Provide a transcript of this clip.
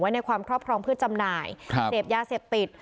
ในความครอบครองเพื่อจำหน่ายเสพยาเสพติด